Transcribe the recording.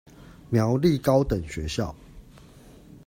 苗栗高等學校